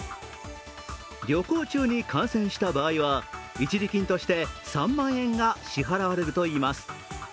旅行中に感染した場合は一時金として３万円が支払われるといいます。